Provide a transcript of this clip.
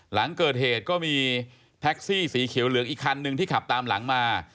หลังเกิดเหตุก็มีแท็กซี่สีเขียวเหลืองอีกคันหนึ่งที่ขับตามหลังมา